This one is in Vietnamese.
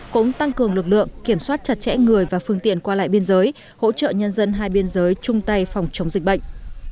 cũng tăng cường lực lượng kiểm soát chặt chẽ người và phương tiện qua lại biên giới hỗ trợ nhân dân hai biên giới chung tay phòng chống dịch bệnh